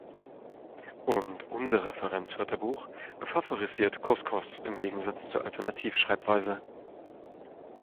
Und unser Referenzwörterbuch favorisiert Couscous im Gegensatz zur Alternativschreibweise.